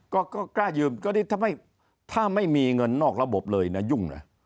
ก็กล้ายืมก็ได้ทำให้ถ้าไม่มีเงินนอกระบบเลยยุ่งนะ